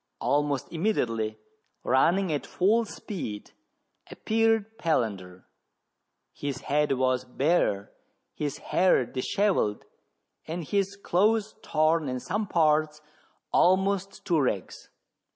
Almost immediately, running at full speed, appeared Palander. His head was Sare, his hair dishevelled, and his clothes torn in some parts almost to rags.